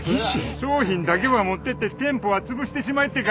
商品だけば持ってって店舗はつぶしてしまえってか？